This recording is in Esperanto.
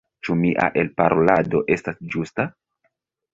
Ĉu mia elparolado estas ĝusta?